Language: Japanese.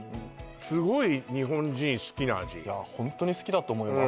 すごい日本人好きな味いやホントに好きだと思います